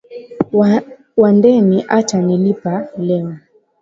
Wandeni ata nilipa leo